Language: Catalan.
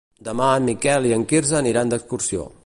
Demà en Miquel i en Quirze aniran d'excursió.